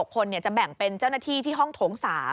๖คนจะแบ่งเป็นเจ้าหน้าที่ที่ห้องโถง๓